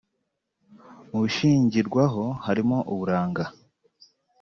Mu bishingirwaho harimo Uburanga